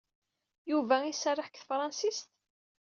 Yuba iserreḥ deg tefṛensist?